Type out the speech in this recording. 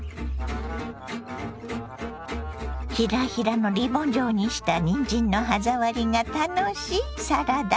ヒラヒラのリボン状にしたにんじんの歯触りが楽しいサラダ。